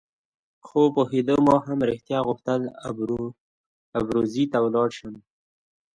خو پوهېده چې ما رښتیا هم غوښتل ابروزي ته ولاړ شم.